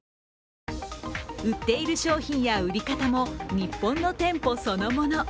売っている商品や売り方も日本の店舗そのもの。